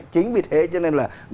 chính vì thế cho nên là